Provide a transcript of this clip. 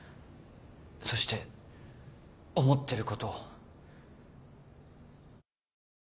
そして思ってることを。